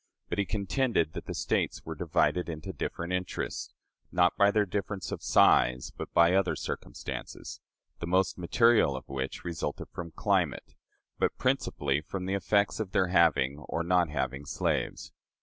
But he contended that the States were divided into different interests, not by their difference of size, but by other circumstances; the most material of which resulted from climate, but principally from the effects of their having or not having slaves.